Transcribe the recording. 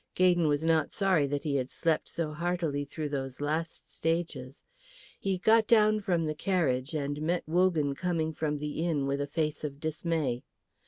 Gaydon was not sorry that he had slept so heartily through those last stages. He got down from the carriage and met Wogan coming from the inn with a face of dismay.